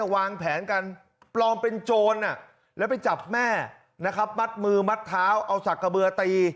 วางแผนกันปลอมเป็นโจรแล้วไปจับแม่นะครับมัดมือมัดเท้าเอาสักกระเบือตี